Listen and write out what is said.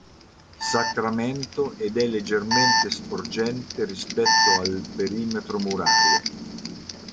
Sacramento ed è leggermente sporgente rispetto al perimetro murario.